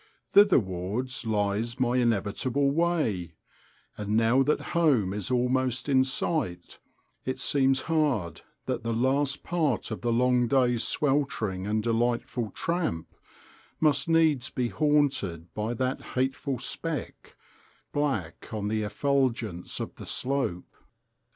Thitherwards lies my inevitable way; and now that home is almost in sight it seems hard that the last part of the long day's sweltering and delightful tramp must needs be haunted by that hateful speck, black on the effulgence of the slope.